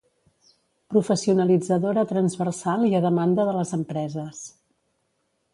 Professionalitzadora, transversal i a demanda de les empreses.